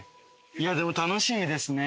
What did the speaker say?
いやでも楽しみですね。